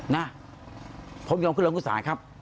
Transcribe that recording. นะผมยอมขึ้นลงคุณศาลครับ